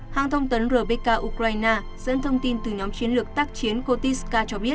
hàng thông tấn rebecca ukraine dẫn thông tin từ nhóm chiến lược tác chiến kotitska cho biết